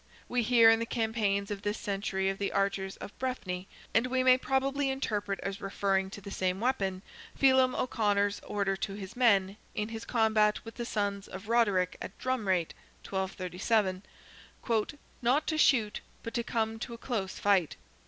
We hear in the campaigns of this century of the archers of Breffni, and we may probably interpret as referring to the same weapon, Felim O'Conor's order to his men, in his combat with the sons of Roderick at Drumraitte (1237), "not to shoot but to come to a close fight."